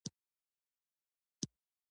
بیا د رڼې پرخې جامه کې راشه